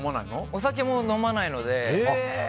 お酒も飲まないので。